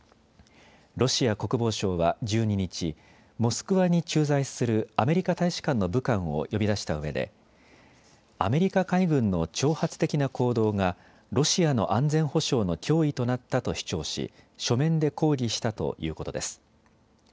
ロシア国防省は１２日、モスクワに駐在するアメリカ大使館の武官を呼び出したうえでアメリカ海軍の挑発的な行動がロシアの安全保障の脅威となったと主張し、書面で抗議したということです。